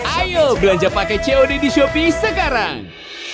ayo belanja pakai cod di shopee sekarang